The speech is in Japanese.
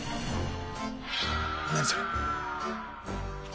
何それ？